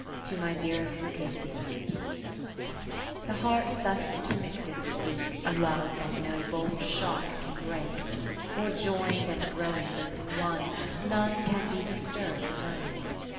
To my dearest Lucasia I The Hearts thus intermixed speak A love that no bold shock can break ; For join'd and growing both in one, None can be disturb'd alone.